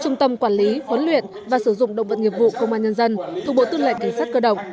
trung tâm quản lý huấn luyện và sử dụng động vật nghiệp vụ công an nhân dân thuộc bộ tư lệnh cảnh sát cơ động